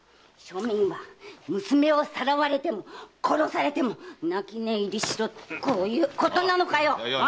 庶民は娘をさらわれても殺されても泣き寝入りしろってことなのかよ！